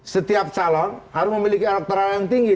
setiap calon harus memiliki elektoral yang tinggi